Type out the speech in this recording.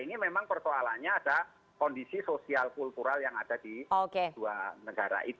ini memang persoalannya ada kondisi sosial kultural yang ada di dua negara